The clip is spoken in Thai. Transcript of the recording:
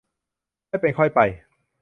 ค่อยเป็นค่อยไป